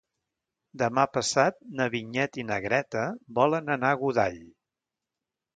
Demà passat na Vinyet i na Greta volen anar a Godall.